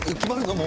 もう。